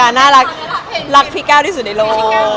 อเรนนี่สังหรับพี่อาจารย์